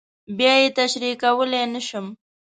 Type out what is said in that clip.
بیا یې تشریح کولی نه شم.